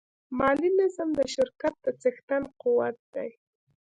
مالي نظم د شرکت د څښتن قوت دی.